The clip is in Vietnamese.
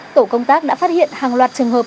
tổ công tác đã phát hiện hàng loạt trường hợp